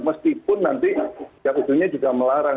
meskipun nanti ya ujungnya juga melarang